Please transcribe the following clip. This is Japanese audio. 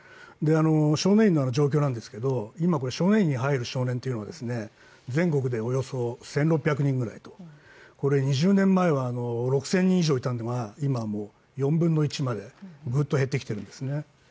少年院の状況なんですけど、今少年院に入る少年は全国でおよそ１６００人ぐらい、これ２０年前は６０００人以上いたのが今は４分の１まで、ぐっと減ってきているんですね。